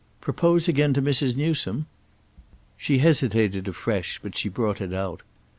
"Propose again to Mrs. Newsome?" She hesitated afresh, but she brought it out.